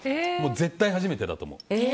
絶対初めてだと思う。